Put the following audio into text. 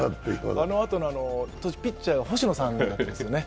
あのあと、ピッチャーは星野さんですね。